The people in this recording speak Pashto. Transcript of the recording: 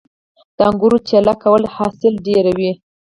د انګورو چیله کول حاصل ډیروي